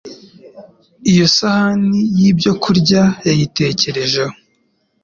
iyo sahani y’ibyokurya. Yayitekerejeho,